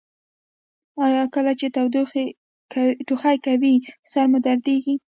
ایا کله چې ټوخی کوئ سر مو دردیږي؟